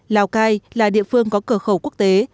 lào cai là địa phương có cửa khẩu quốc tế